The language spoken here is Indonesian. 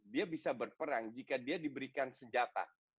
dia bisa berperang jika dia diberikan senjata